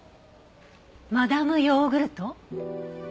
マダム・ヨーグルト？